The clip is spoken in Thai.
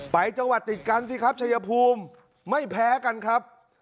จังหวัดติดกันสิครับชัยภูมิไม่แพ้กันครับ